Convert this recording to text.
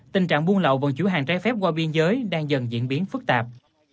tình trạng buôn lậu bằng chủ hàng trái phép qua biên giới đang dần diễn biến phức tạp